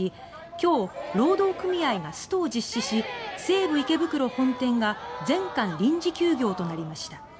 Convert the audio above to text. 今日労働組合がストを実施し西武池袋本店が全館臨時休業となりました。